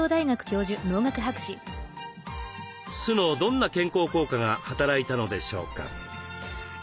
酢のどんな健康効果が働いたのでしょうか？